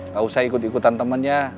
gak usah ikut ikutan temannya